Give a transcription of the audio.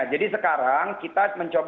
jadi sekarang kita mencoba